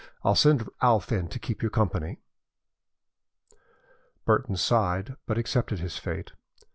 I'll send Alf in to keep you company." Burton sighed but accepted his fate.